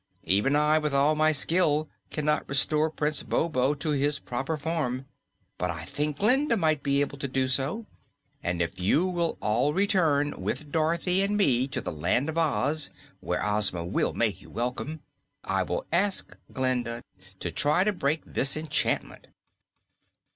Even I, with all my skill, cannot restore Prince Bobo to his proper form. But I think Glinda might be able to do so and if you will all return with Dorothy and me to the Land of Oz, where Ozma will make you welcome, I will ask Glinda to try to break this enchantment."